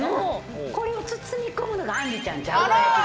これを包み込むのがあんりちゃん。